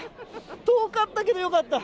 遠かったけどよかった。